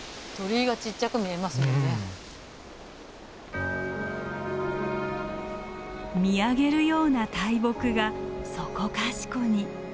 見上げるような大木がそこかしこに。